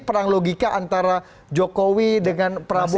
perang logika antara jokowi dengan prabowo